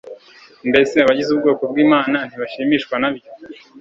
mbese abagize ubwoko bw'imana ntibashimishwa nabyo